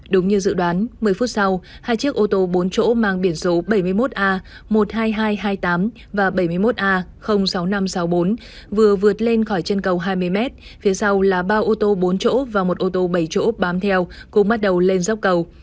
đúng như dự đoán một mươi phút sau hai chiếc ô tô bốn chỗ mang biển số bảy mươi một a một mươi hai nghìn hai trăm hai mươi tám và bảy mươi một a sáu nghìn năm trăm sáu mươi bốn vừa vượt lên khỏi chân cầu hai mươi m phía sau là ba ô tô bốn chỗ và một ô tô bảy chỗ bám theo cùng bắt đầu lên dốc cầu